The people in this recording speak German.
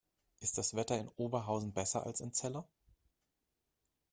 Ist das Wetter in Oberhausen besser als in Celle?